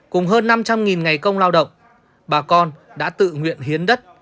cùng hơn năm trăm linh ngày công lao động bà con đã tự nguyện hiến đất